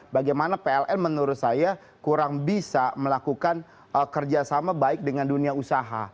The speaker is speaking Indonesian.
bagaimana pln menurut saya kurang bisa melakukan kerjasama baik dengan dunia usaha